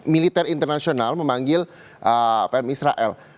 militer internasional memanggil pm israel